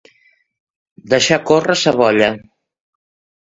Deixar córrer sa bolla.